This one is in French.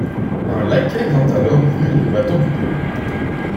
Un laquais vint alors ouvrir les battants du perron.